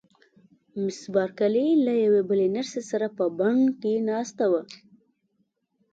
مس بارکلي له یوې بلې نرسې سره په بڼ کې ناسته وه.